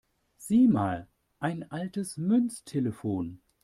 Sieh mal, ein altes Münztelefon!